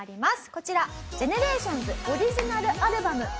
こちらＧＥＮＥＲＡＴＩＯＮＳオリジナルアルバム『Ⅹ』。